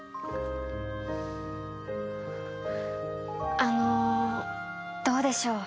あのどうでしょう？